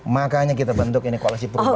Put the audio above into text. makanya kita bentuk ini koalisi perubahan